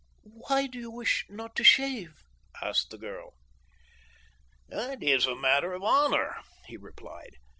"Why do you wish not to shave?" asked the girl. "It is a matter of my honor," he replied.